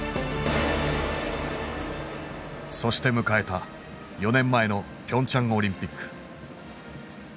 そして迎えた４年前のピョンチャン・オリンピック。